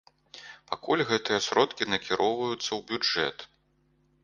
Пакуль гэтыя сродкі накіроўваюцца ў бюджэт.